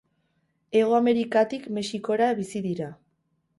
Hego Amerikatik Mexikora bizi dira.